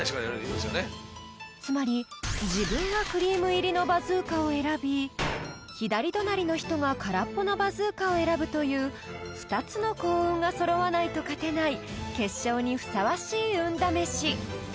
［つまり自分はクリーム入りのバズーカを選び左隣の人が空っぽのバズーカを選ぶという２つの幸運が揃わないと勝てない決勝にふさわしい運試し］